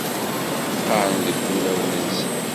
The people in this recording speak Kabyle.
Qqaren deg wulawen-nsen.